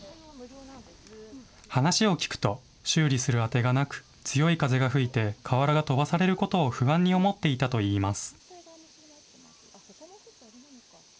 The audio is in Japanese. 話を聞くと、修理する当てがなく、強い風が吹いて、瓦が飛ばされることを不安に思っていたといいます。